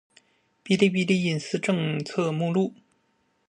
《哔哩哔哩隐私政策》目录